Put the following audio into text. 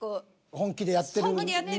本気でやってるのに。